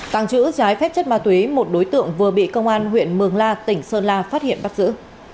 tàng trữ trái phép chất ma túy một đối tượng vừa bị công an huyện mường la tỉnh sơn la phát hiện bắt giữ